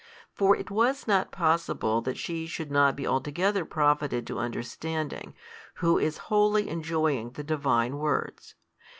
For it was not possible that she should not be altogether profited to understanding, who is wholly enjoying the Divine words.